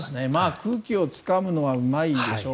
空気をつかむのはうまいでしょう。